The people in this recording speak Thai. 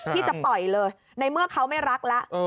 ที่จะปล่อยเลยในเมื่อเขาไม่รักแล้ว